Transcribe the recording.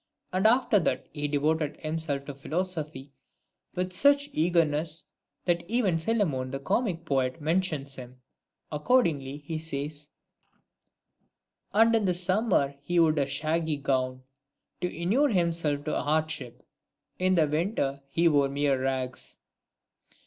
And after that he devoted himself to philosophy with such eagerness, that even Philemon the comic poet mentions him. Accordingly he says :— CRATES. 251 And in the summer he'd a shaggy gown, To inure himself to hardship : in the winter He wore mere rags.